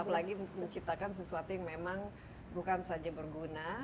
apalagi menciptakan sesuatu yang memang bukan saja berguna